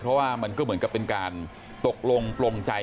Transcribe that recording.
เพราะว่ามันก็เหมือนกับเป็นการตกลงปลงใจ